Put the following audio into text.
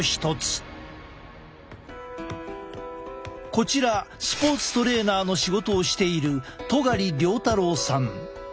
こちらスポーツトレーナーの仕事をしている戸苅遼太郎さん。